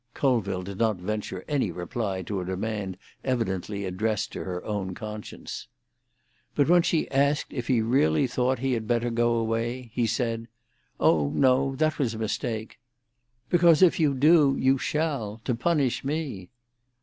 Colville did not venture any reply to a demand evidently addressed to her own conscience. But when she asked if he really thought he had better go away, he said, "Oh no; that was a mistake." "Because, if you do, you shall—to punish me."